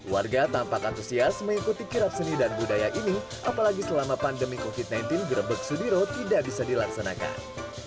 warga tampak antusias mengikuti kirap seni dan budaya ini apalagi selama pandemi covid sembilan belas grebek sudiro tidak bisa dilaksanakan